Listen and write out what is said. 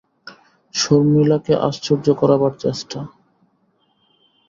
শর্মিলাকে আশ্চর্য করবার চেষ্টা।